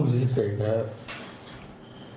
พ่อคุณสิทธิ์เด็กแล้ว